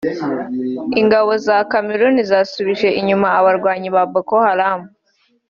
Ingabo za Kameruni zasubije inyuma abarwanyi ba Boko Haram